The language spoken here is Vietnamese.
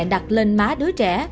đặt lên má đứa trẻ